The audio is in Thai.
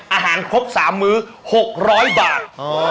อาหารครบ๓มื้อ๖๐๐บาท